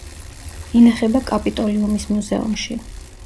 ინახება კაპიტოლიუმის მუზეუმში.